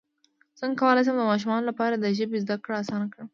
څنګه کولی شم د ماشومانو لپاره د ژبې زدکړه اسانه کړم